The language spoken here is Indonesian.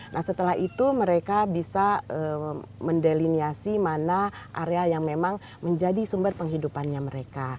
nah setelah itu mereka bisa mendeliniasi mana area yang memang menjadi sumber penghidupannya mereka